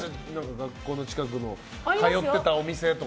学校の近くの通ってたお店とか。